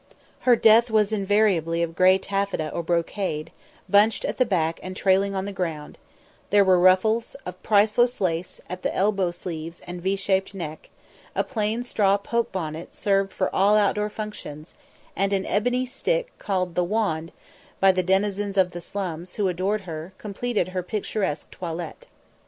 Her dress was invariably of grey taffeta or brocade, bunched at the back and trailing on the ground; there were ruffles, of priceless lace at the elbow sleeves and V shaped neck; a plain straw poke bonnet served for all outdoor functions, and an ebony stick, called "the wand" by the denizens of the slums, who adored her, completed her picturesque toilette.